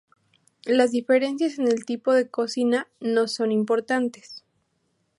Las diferencias en el tipo de cocina no son importantes.